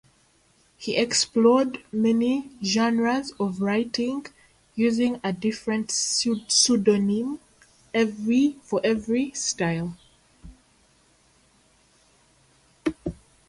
He explored many genres of writing, using a different pseudonym for every style.